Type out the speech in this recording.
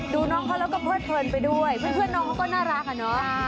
ดูน้องเขาแล้วก็เลิดเพลินไปด้วยเพื่อนน้องเขาก็น่ารักอะเนาะ